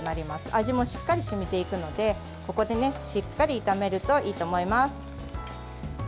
味もしっかりしみていくのでここでしっかり炒めるといいと思います。